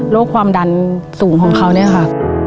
ความดันสูงของเขาเนี่ยค่ะ